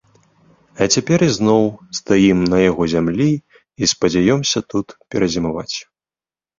А цяпер ізноў стаім на яго зямлі і спадзяёмся тут перазімаваць.